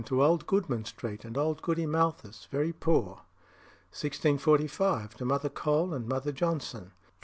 To old Goodman Street and old Goody Malthus, very poor 1645. To Mother Cole and Mother Johnson, xiid.